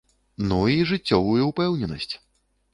Ну, і жыццёвую упэўненасць.